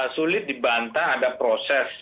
sulit dibantah ada proses